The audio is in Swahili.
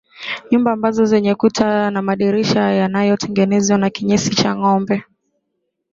Nyumba ambazo zenye kuta na madirisha yanayotengenezwa na kinyesi cha ngombe